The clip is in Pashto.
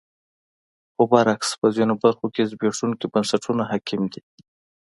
خو برعکس په ځینو برخو کې زبېښونکي بنسټونه حاکم دي.